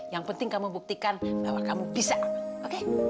yang penting kamu buktikan bahwa kamu bisa oke